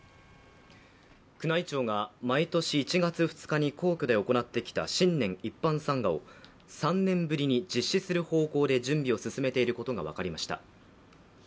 宮内庁が毎年１月２日に皇居で行ってきた新年一般参賀を３年ぶりに実施する方向で準備を進めていることが分かりました。